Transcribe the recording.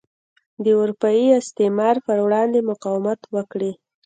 د اروپايي استعمار پر وړاندې مقاومت وکړي.